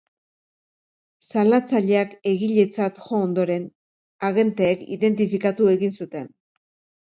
Salatzaileak egiletzat jo ondoren, agenteek identifikatu egin zuten.